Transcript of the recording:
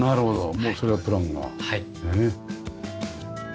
もうそれはプランがねえ。